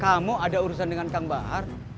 kamu ada urusan dengan kang bahar